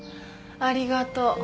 ありがとう。